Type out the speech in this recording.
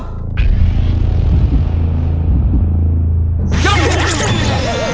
ย้อม